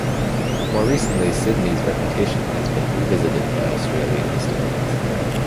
More recently Sydney's reputation has been revisited by Australian historians.